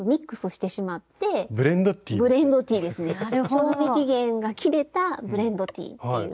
賞味期限が切れたブレンドティーっていう。